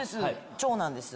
長男です。